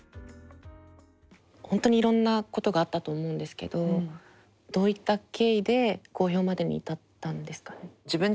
本当にいろんなことがあったと思うんですけどどういった経緯で公表までに至ったんですかね。